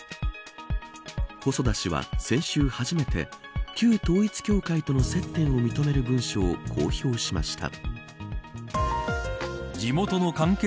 細田氏は先週初めて旧統一教会との接点を認める文書を公表しました。